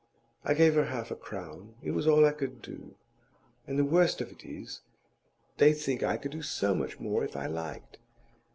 I gave her half a crown; it was all I could do. And the worst of it is, they think I could do so much more if I liked.